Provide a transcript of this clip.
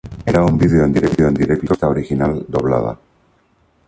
Era un vídeo en directo con la pista original doblada.